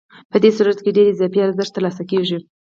په دې صورت کې ډېر اضافي ارزښت ترلاسه کېږي